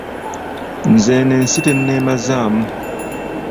Nze eno ensi tenneemazaamu.